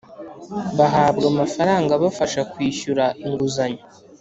bahabwa amafaranga abafasha kwishyura inguzanyo